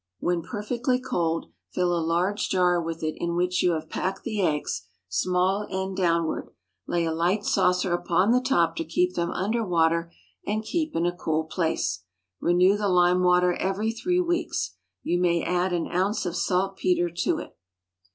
When perfectly cold, fill a large jar with it in which you have packed the eggs, small end downward; lay a light saucer upon the top to keep them under water, and keep in a cool place. Renew the lime water every three weeks. You may add an ounce of saltpetre to it.